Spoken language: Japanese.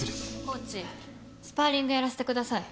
コーチスパーリングやらせてください。